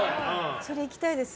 それ、行きたいです。